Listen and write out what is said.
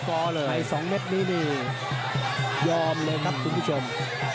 ใช้๒แม็ดนิดนี่เยอร์มเลยครับคุณผู้ชม